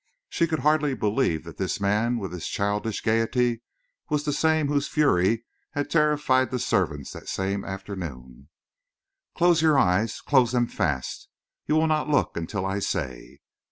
She could hardly believe that this man with his childish gayety was the same whose fury had terrified the servants that same afternoon. "Close your eyes close them fast. You will not look until I say?"